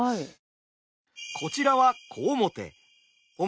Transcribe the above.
こちらは小面。